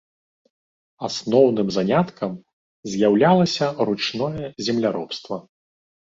Асноўным заняткам з'яўлялася ручное земляробства.